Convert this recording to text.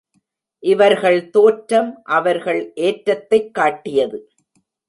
இவர்கள் தோற்றம் அவர்கள் ஏற்றத்தைக் காட்டியது.